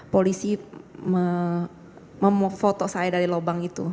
polisi memfoto saya dari lubang itu